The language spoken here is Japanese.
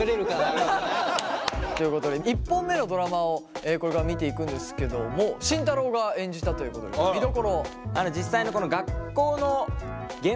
みたいな。ということで１本目のドラマをこれから見ていくんですけども慎太郎が演じたということで見どころを。